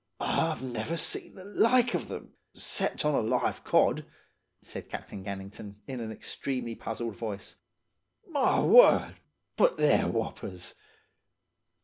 "'I've never seen the like of them, 'cept on a live cod,' said Captain Gannington, in an extremely puzzled voice. 'My word! But they're whoppers!